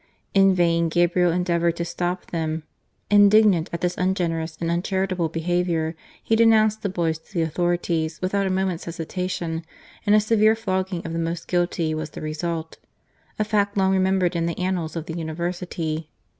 In vain, Gabriel endeavoured to stop them. Indignant at this ungenerous and uncharitable behaviour he denounced the boys to the authorities « GARCIA MORENO. without a moment's hesitation, and a severe flogging of the most guilty was the result, a fact long re membered in the annals of the University.